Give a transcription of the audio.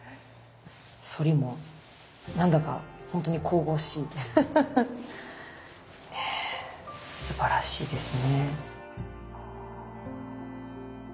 反りもなんだか本当に神々しいねすばらしいですね。